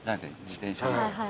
自転車で。